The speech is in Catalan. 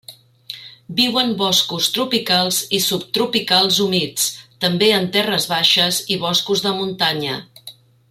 Viu en boscos tropicals i subtropicals humits, també en terres baixes i boscos de muntanya.